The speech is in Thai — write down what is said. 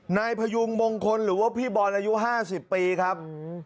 นายพยุงมงคลหรือว่าพี่บอลอายุ๕๐ปีครับ